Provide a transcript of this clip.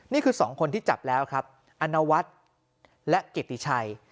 นี่คือสองคนที่จับแล้วครับอนวัฒน์และเกติชัย